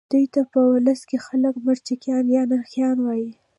دوی ته په ولس کې خلک مرکچیان یا نرخیان وایي.